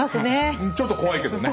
うんちょっと怖いけどね。